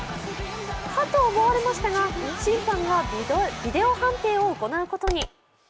かと思われましたが審判がビデオ判定を行うことに。